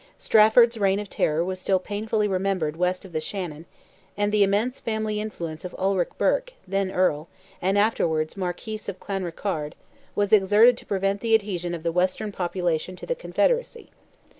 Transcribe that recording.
Strafford's reign of terror was still painfully remembered west of the Shannon, and the immense family influence of Ulick Burke, then Earl, and afterwards Marquis of Clanrickarde, was exerted to prevent the adhesion of the western population to the Confederacy.